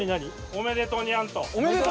「おめでとにゃん」と。